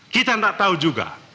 kita tidak tahu juga